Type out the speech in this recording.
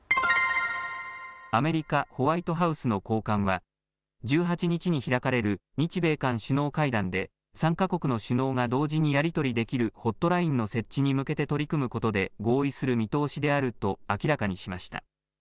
アメリカ・ホワイトハウスの高官は１８日に開かれる日米韓首脳会談で３か国の首脳が同時にやり取りできるホットラインの設置に向けて取り組むことで合意する見通しであると明らかにしました。